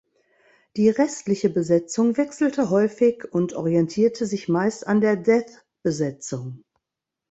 Die restliche Besetzung wechselte häufig und orientierte sich meist an der Death-Besetzung.